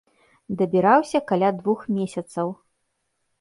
Дабіраўся каля двух месяцаў.